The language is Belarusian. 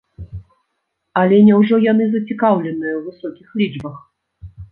Але няўжо яны зацікаўленыя ў высокіх лічбах?